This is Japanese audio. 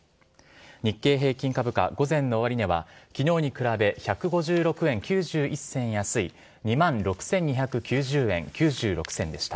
日経平均株価の午前の終値は昨日に比べ１５６円９１銭安い２万６２９０円９６銭でした。